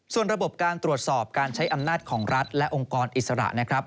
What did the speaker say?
ส่วนระบบการตรวจสอบการใช้อำนาจของรัฐและองค์กรอิสระนะครับ